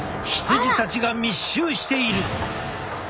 羊たちが密集している。